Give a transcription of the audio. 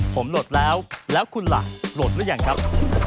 ผมโหลดแล้วแล้วคุณล่ะโหลดหรือยังครับ